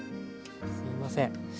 すいません。